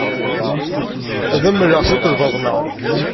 Ad am-mmleɣ yiwet n lbaḍna.